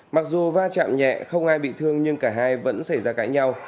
mặc dù va chạm nhẹ không ai bị thương nhưng cả hai vẫn xảy ra cãi nhau